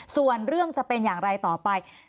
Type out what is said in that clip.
ส่วนเรื่องจะเป็นอย่างไรต่อไป